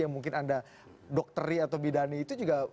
yang mungkin anda dokteri atau bidani itu juga